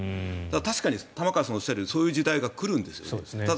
確かに玉川さんがおっしゃるようにそういう時代が来る。